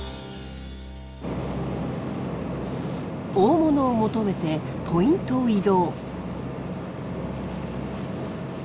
大物を求めてポイントを移動。